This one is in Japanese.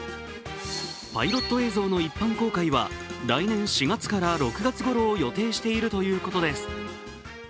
パイロット映像の一般公開は来年４月から６月ごろを予定しているということです。